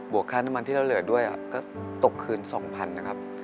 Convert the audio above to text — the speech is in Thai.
วกค่าน้ำมันที่เราเหลือด้วยก็ตกคืน๒๐๐๐นะครับ